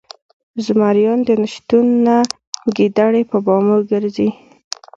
ـ زمريانو د نشتون نه ګيدړې په بامو ګرځي